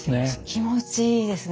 気持ちいいですねこれ。